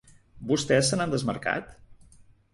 Vostès se n’han desmarcat?